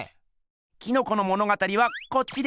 キノコの物語はこっちです。